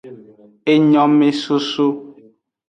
Enyomesoso.